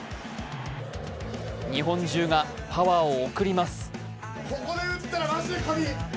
日本中がパワーを送ります。